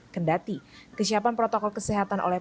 kendati kesiapan protokol kesehatan